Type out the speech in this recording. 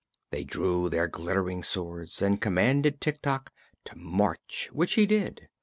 They drew their glittering swords and commanded Tik Tok to march, which he did.